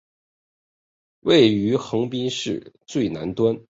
位于横滨市最南端。